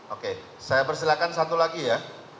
oke saya persilahkan satu lagi ya